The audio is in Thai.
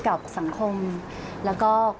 เพราะฉะนั้นไปได้รับจดหมายชอบแรกคือวันที่๒๔นะครับ